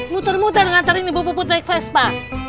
muter muter ngantar ini bu putra ke vespa